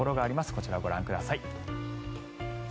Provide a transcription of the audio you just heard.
こちら、ご覧ください。